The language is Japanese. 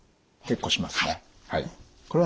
結構しますね。